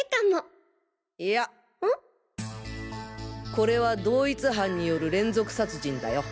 これは同一犯による連続殺人だよ！